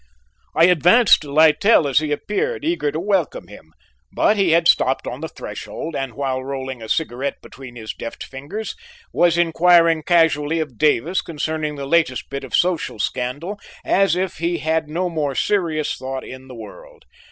I advanced to Littell as he appeared, eager to welcome him, but he had stopped on the threshold and while rolling a cigarette between his deft fingers was inquiring casually of Davis concerning the latest bit of social scandal as if he had no more serious thought in the world.